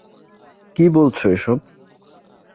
কি বলছো এসব?